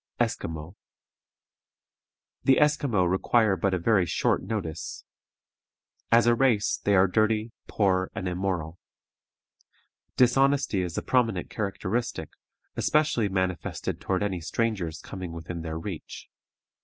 ESQUIMAUX. The Esquimaux require but a very short notice. As a race, they are dirty, poor, and immoral. Dishonesty is a prominent characteristic, especially manifested toward any strangers coming within their reach.